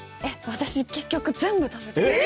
私、結局、全部、食べたんです。